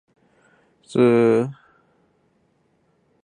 柚子汁还蛮好喝的